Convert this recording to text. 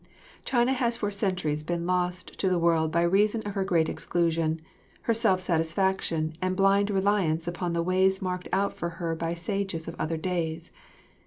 China has for centuries been lost to the world by reason of her great exclusion, her self satisfaction and blind reliance upon the ways marked out for her by sages of other days.